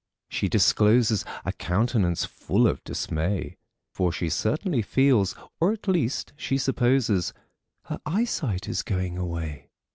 she discloses A countenance full of dismay; For she certainly feels, or at least she supposes Her eyesight is going away.